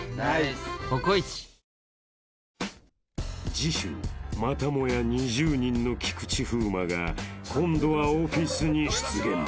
［次週またもや２０人の菊池風磨が今度はオフィスに出現］